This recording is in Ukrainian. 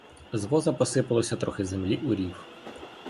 З воза посипалося трохи землі у рів.